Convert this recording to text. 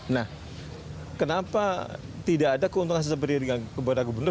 nah kenapa tidak ada keuntungan secara pribadi kepada gubernur